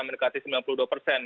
mendekati sembilan puluh dua persen